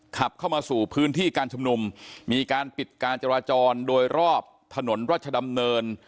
ขับเข้ามาสู่พื้นที่การชุมนุมมีการปิดการจราจรโดยรอบถนนรัชดำเนิน